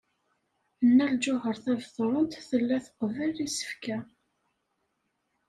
Nna Lǧuheṛ Tabetṛunt tella tqebbel isefka.